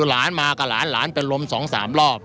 หลานมากับหลานหลานเป็นลม๒๓รอบ